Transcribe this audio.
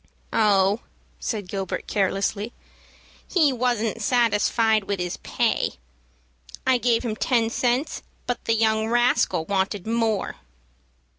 "Oh," said Gilbert, carelessly, "he wasn't satisfied with his pay. I gave him ten cents, but the young rascal wanted more."